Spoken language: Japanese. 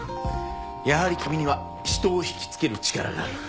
やはり君には人を引きつける力がある。